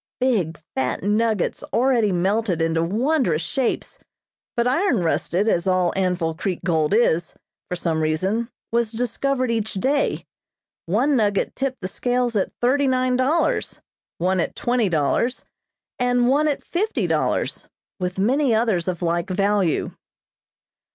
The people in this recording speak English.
Big, fat nuggets already melted into wondrous shapes, but iron rusted, as all Anvil Creek gold is, for some reason, was discovered each day. One nugget tipped the scales at thirty nine dollars, one at twenty dollars, and one at fifty dollars, with many others of like value.